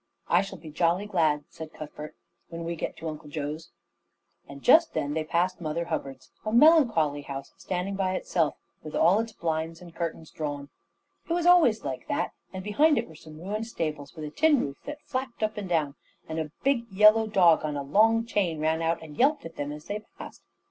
"I shall be jolly glad," said Cuthbert, "when we get to Uncle Joe's," and just then they passed Mother Hubbard's a melancholy house standing by itself, with all its blinds and curtains drawn. It was always like that, and behind it were some ruined stables, with a tin roof that flapped up and down; and a big yellow dog on a long chain ran out and yelped at them as they passed.